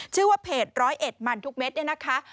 ชื่อว่าเพจร้อยเอ็ดมันทุกเม็ดเนี่ยนะคะ